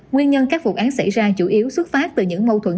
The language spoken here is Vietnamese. nguyên nhân các vụ án xảy ra chủ yếu xuất phát từ những mâu thuẫn